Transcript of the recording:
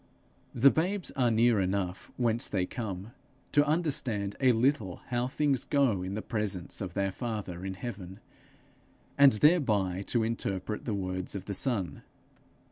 The babes are near enough whence they come, to understand a little how things go in the presence of their father in heaven, and thereby to interpret the words of the Son.